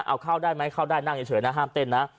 เอาเข้าได้ไหมเข้าได้นั่งเฉยนะห้ามเต้นนะ